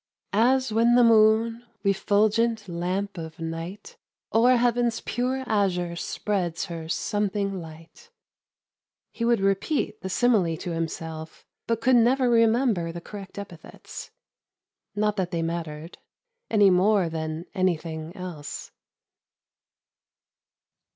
As when the moon, refulgent lamp of night, O'er heaven's pure azure spreads her something light. He would repeat the simile to himself, but could never remember the correct epithets. Not that they mattered — any more than anything else.